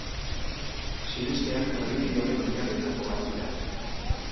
Sinesteak tradizioaren oinarrietako bat dira.